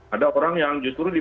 ada orang yang justru